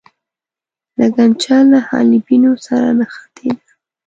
لګنچه له حالبینو سره نښتې ده.